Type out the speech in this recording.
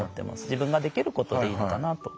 自分ができることでいいのかなと。